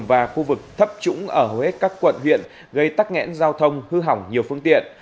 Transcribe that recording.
và khu vực thấp trũng ở hết các quận huyện gây tắc nghẽn giao thông hư hỏng nhiều phương tiện